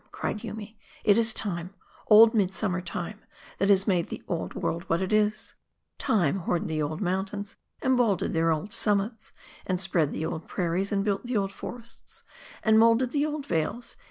cried Yoomy "it is Time, old midsummer Time, that has made the old world what it is. Time hoared the old mountains, and balded their old summits, and spread the old prairies, and built the old for ests, and molded the old vales.